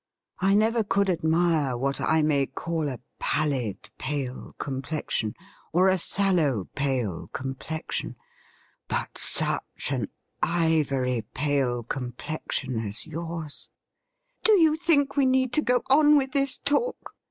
I never could admire what I may call a pallid pale complexion or a sallow pale complexion ; but such an ivory pale com plexion as yours '' Do you think we need go on with this talk